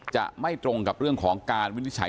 จะไม่ตรงกับเรื่องของการวินิจฉัย